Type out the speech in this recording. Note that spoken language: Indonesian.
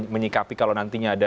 menyikapi kalau nantinya ada